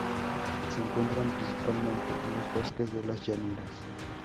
Se encuentran principalmente en los bosques de las llanuras.